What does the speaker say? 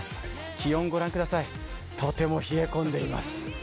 気温をご覧ください、とても冷え込んでいます。